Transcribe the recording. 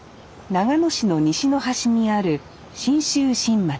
長野市の西の端にある信州新町。